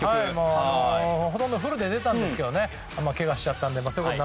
ほとんどフルで出たんですけどけがしちゃったので。